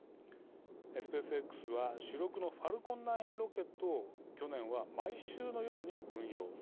スペースＸは主力のファルコン９ロケットを去年は毎週のように運用。